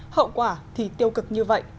hậu quả thì tiêu cực như vậy